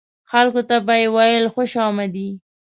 خلکو ته به یې ویل خوش آمدي.